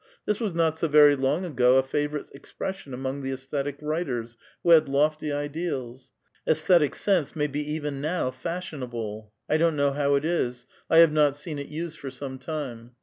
This was not so very long ago a favorite expression among the ajsthetic writers who had lofty ideals. ''^Esthetic sense" may be even now fashionable ; I don't know how it is ; I have not seen it used for some time.